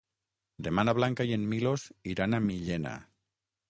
Demà na Blanca i en Milos iran a Millena.